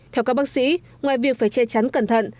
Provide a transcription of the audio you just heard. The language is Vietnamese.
theo các bác sĩ ngoài việc phải che chắn cẩn thận